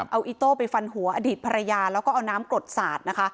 เอาอิโต้ไปฟันหัวอดีตภรรยาแล้วก็เอาน้ำกรดสาดนะคะ